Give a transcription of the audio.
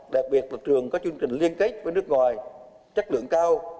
đặc biệt là trường có chương trình liên kết với nước ngoài chất lượng cao